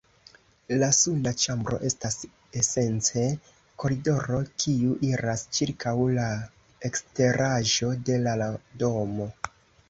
la suna ĉambro estas esence koridoro kiu iras ĉirkaŭ la eskteraĵo de la domo.